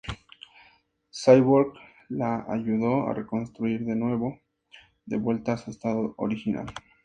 Cyborg la ayudó a reconstruir de nuevo, de vuelta a su estado original.